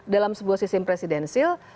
dalam sebuah sistem presidensil